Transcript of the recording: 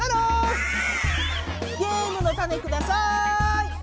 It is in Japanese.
ゲームのタネください。